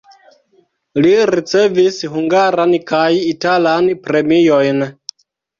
Li ricevis hungaran kaj italan premiojn.